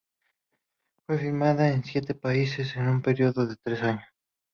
Fue filmada en siete países en un período de tres años.